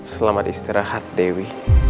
selamat istirahat dewi